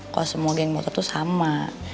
kalo semua gang motor tuh sama